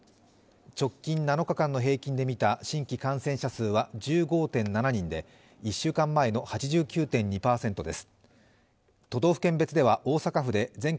直近７日間の平均でみた新規感染者数は１５．７人で、１週間前の８９．２％です。